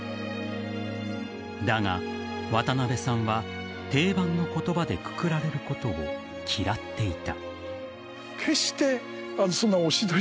だが、渡辺さんは定番の言葉でくくられることを嫌っていた。